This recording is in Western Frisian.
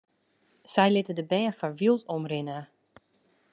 Sy litte de bern foar wyld omrinne.